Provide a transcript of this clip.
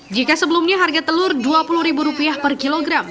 jika sebelumnya harga telur dua puluh ribu rupiah per kilogram